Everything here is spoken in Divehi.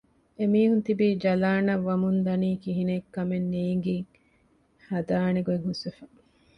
އެމީހުން ތިބީ ޖަލާނަށް ވަމުންދަނީ ކިހިނެއް ކަމެއްކަން ނޭންގި ހަދާނެ ގޮތް ހުސްވެފަ